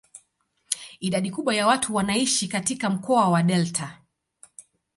Idadi kubwa ya watu wanaishi katika mkoa wa delta.